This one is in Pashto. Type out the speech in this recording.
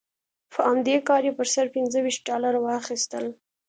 په همدې کار یې پر سر پنځه ویشت ډالره واخیستل.